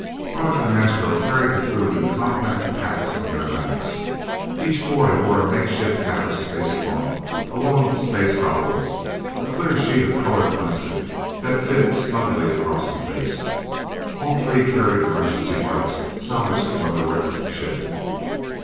Roger and Astro carried the food in compact packs on their backs. Each boy wore a makeshift hat of space cloth, along with space goggles, a clear sheet of colored plastic that fitted snugly across the face. All three carried emergency lights salvaged from the wrecked ship.